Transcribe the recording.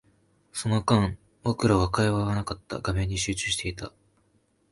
その間、僕らに会話はなかった。画面に集中していた。